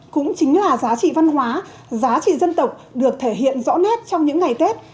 cũng chính là giá trị văn hóa giá trị dân tộc được thể hiện rõ nét trong những ngày tết